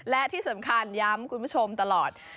และที่สำคัญย้ำคุณผู้ชมตลอด